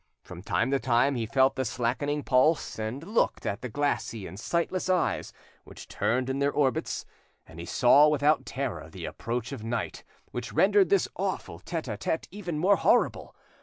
From time to time he felt the slackening pulse, and looked at the glassy and sightless eyes which turned in their orbits, and he saw without terror the approach of night, which rendered this awful 'tete a tete' even more horrible.